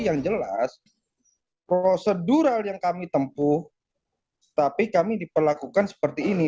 yang jelas prosedural yang kami tempuh tapi kami diperlakukan seperti ini